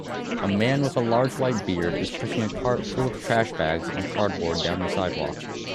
A man with a large white beard is pushing a cart full of trash bags and cardboard down a sidewalk